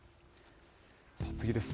さあ、次です。